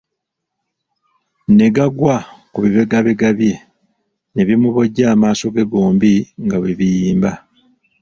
Ne gagwa ku bibegabega bye, ne bimubojja amaaso ge gombi nga bwe biyimba.